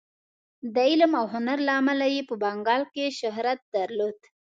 د علم او هنر له امله یې په بنګال کې شهرت درلود.